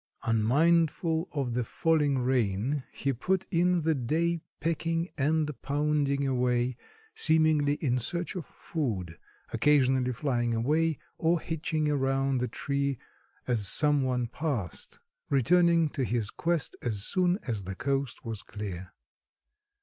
Unmindful of the falling rain, he put in the day pecking and pounding away, seemingly in search of food, occasionally flying away or hitching around the tree as some one passed, returning to his quest as soon as the coast was clear.